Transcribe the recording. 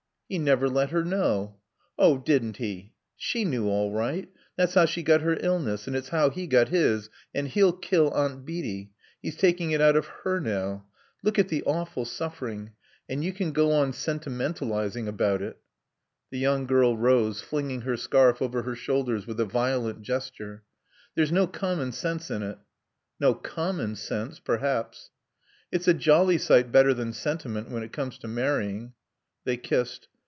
"He never let her know." "Oh, didn't he! She knew all right. That's how she got her illness. And it's how he got his. And he'll kill Aunt Beatie. He's taking it out of her now. Look at the awful suffering. And you can go on sentimentalizing about it." The young girl rose, flinging her scarf over her shoulders with a violent gesture. "There's no common sense in it." "No common sense, perhaps." "It's a jolly sight better than sentiment when it comes to marrying." They kissed.